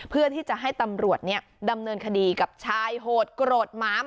เพื่อที่จะให้ตำรวจดำเนินคดีกับชายโหดโกรธหมาม